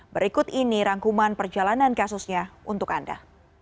berikut ini rangkuman perjalanan kasusnya untuk anda